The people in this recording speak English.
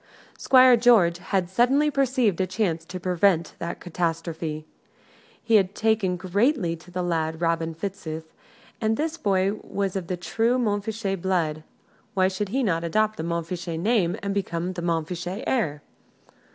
Squire George had suddenly perceived a chance to prevent that catastrophe. He had taken greatly to the lad Robin Fitzooth: and this boy was of the true Montfichet blood why should he not adopt the Montfichet name and become the Montfichet heir?